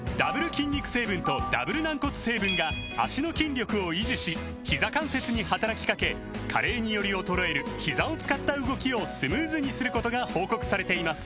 筋肉成分とダブル軟骨成分が脚の筋力を維持しひざ関節に働きかけ加齢により衰えるひざを使った動きをスムーズにすることが報告されています